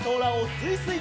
すいすい！